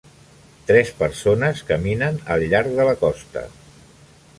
Tres persones caminen al llarg de la costa.